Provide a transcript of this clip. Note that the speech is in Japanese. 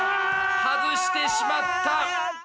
外してしまった！